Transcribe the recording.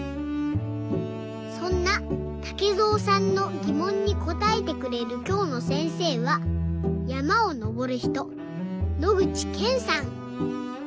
そんなたけぞうさんのぎもんにこたえてくれるきょうのせんせいはやまをのぼるひと野口健さん。